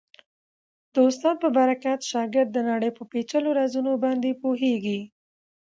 د استاد په برکت شاګرد د نړۍ په پېچلو رازونو باندې پوهېږي.